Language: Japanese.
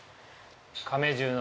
亀十の。